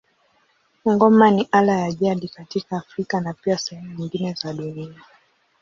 Ngoma ni ala ya jadi katika Afrika na pia sehemu nyingine za dunia.